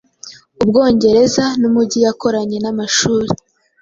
Ubwongereza nUmujyi yakoranye namashuri